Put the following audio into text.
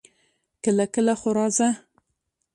کله کله خو راځه!